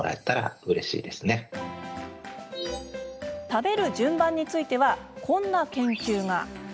食べる順番についてはこんな研究が。